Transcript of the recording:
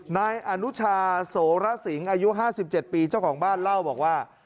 นายอนุชาโสระสิงอายุ๕๗ปีเจ้าของบ้านเล่าบอกว่า